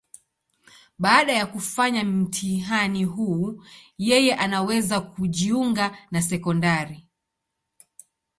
Baada ya kufanya mtihani huu, yeye anaweza kujiunga na sekondari.